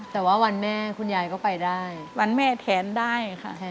แต่ว่าวันแม่คุณยายก็ไปได้